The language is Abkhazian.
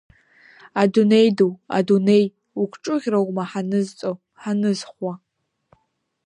Адунеи ду, адунеи, угәҿыӷьроума ҳанызҵо, ҳанызхуа?